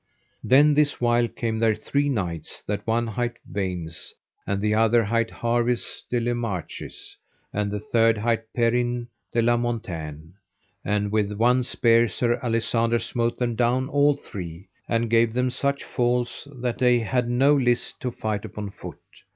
Then this while came there three knights, that one hight Vains, and the other hight Harvis de les Marches, and the third hight Perin de la Montaine. And with one spear Sir Alisander smote them down all three, and gave them such falls that they had no list to fight upon foot.